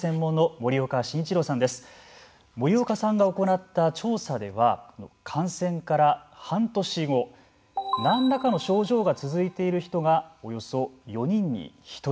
森岡さんが行った調査では感染から半年後何らかの症状が続いている人がおよそ４人に１人。